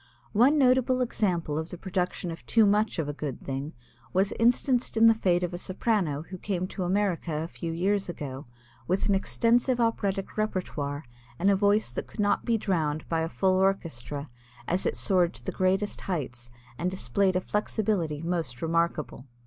One notable example of the production of too much of a good thing was instanced in the fate of a soprano who came to America a few years ago with an extensive operatic repertoire and a voice that could not be drowned by a full orchestra as it soared to the greatest heights and displayed a flexibility most remarkable.